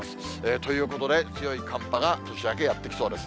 ということで、強い寒波が年明け、やって来そうです。